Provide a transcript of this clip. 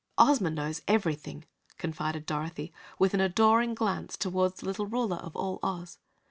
"Ozma knows everything," confided Dorothy, with an adoring glance toward the little Ruler of all Oz.